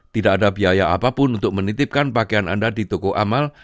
tidak ada biaya apapun untuk menitipkan pakaian anda di toko amal